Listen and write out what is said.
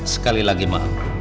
sekali lagi ma